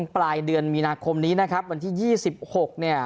ปลายเดือนมีนาคมนี้นะครับวันที่๒๖เนี่ย